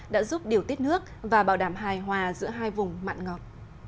đã giúp điều tiết nước và bảo đảm hài hòa giữa hai vùng mặn ngọt